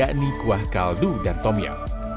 ini kuah kaldu dan tomia